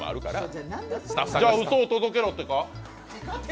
じゃあうそを届けろってか？